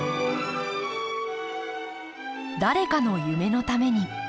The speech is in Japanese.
誰かの夢のために。